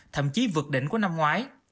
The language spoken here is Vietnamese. thậm chí vượt đỉnh của năm ngoái